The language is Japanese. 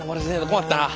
困ったな。